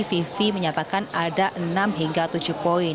vivi menyatakan ada enam hingga tujuh poin